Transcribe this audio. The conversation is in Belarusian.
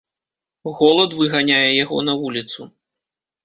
Голад выганяе яго на вуліцу.